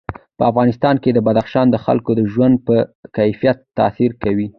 په افغانستان کې بدخشان د خلکو د ژوند په کیفیت تاثیر کوي.